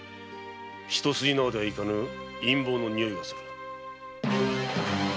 一筋縄ではいかぬ陰謀のにおいがする。